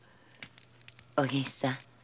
お銀さん